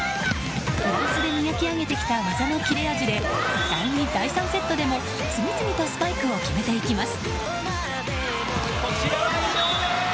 フランスで磨き上げてきた技の切れ味で第２、第３セットでも次々とスパイクを決めていきます。